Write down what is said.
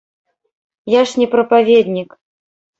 Я ж не прапаведнік.